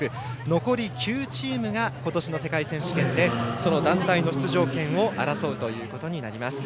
残り９チームが今年の世界選手権で団体の出場権を争うことになります。